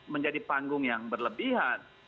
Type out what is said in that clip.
menjadi panggung yang berlebihan